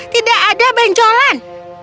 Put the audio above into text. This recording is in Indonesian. tidak ada benjolan